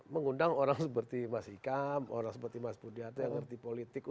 mengundang orang seperti mas hikam orang seperti mas budiato yang ngerti politik